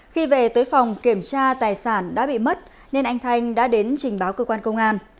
khi về tới phòng kiểm tra tài sản đã bị mất nên anh thanh đã đến trình báo cơ quan công an